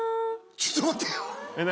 ちょっと待ってよ。